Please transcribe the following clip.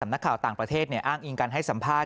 นักข่าวต่างประเทศอ้างอิงการให้สัมภาษณ